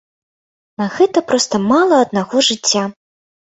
На гэта проста мала аднаго жыцця.